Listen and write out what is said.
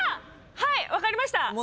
はい分かりました。